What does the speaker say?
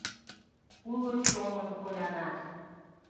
Уло чонын колянат.